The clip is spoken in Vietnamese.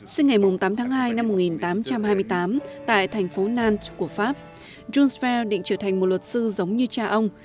sinh ngày tám tháng hai năm một nghìn tám trăm hai mươi tám tại thành phố nantes của pháp johnsfe định trở thành một luật sư giống như cha ông